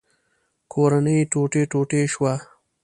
کورنۍ ټوټې ټوټې شوه.